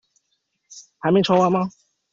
還沒傳完嗎？